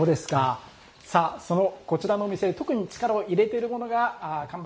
さあ、そのこちらの店特に力を入れているものが乾物